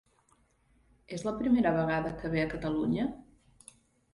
És la primera vegada que ve a Catalunya?